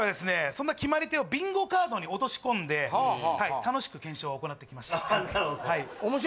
そんな決まり手をビンゴカードに落とし込んで楽しく検証を行ってきました